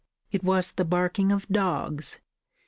It was the barking of dogs.